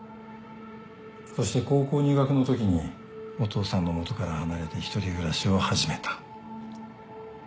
そして高校入学のときにお父さんの元から離れて一人暮らしを始めた。